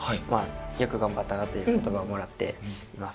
「よく頑張ったな」という言葉をもらっています。